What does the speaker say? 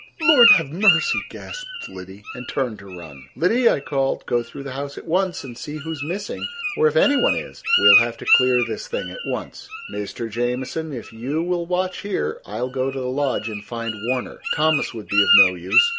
"Lord have mercy!" gasped Liddy, and turned to run. "Liddy," I called, "go through the house at once and see who is missing, or if any one is. We'll have to clear this thing at once. Mr. Jamieson, if you will watch here I will go to the lodge and find Warner. Thomas would be of no use.